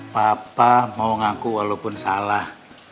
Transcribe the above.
papa mau ngaku walaupun salah